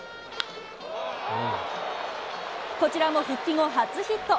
こちらも復帰後初ヒット。